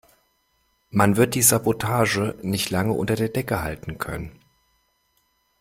Man wird die Sabotage nicht lange unter der Decke halten können.